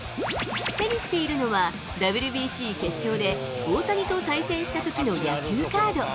手にしているのは、ＷＢＣ決勝で大谷と対戦したときの野球カード。